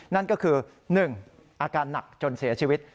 นั่นก็คือ๑อาการหนักจนเสียชีวิต